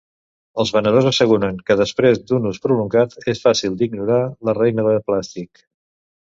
Els venedors asseguren que després d'un ús prolongat, és fàcil d'ignorar la reixa de plàstic.